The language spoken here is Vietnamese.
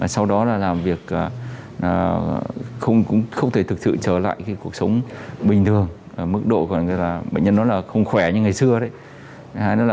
sau đó là làm việc không thể thực sự trở lại cuộc sống bình thường mức độ của bệnh nhân không khỏe như ngày xưa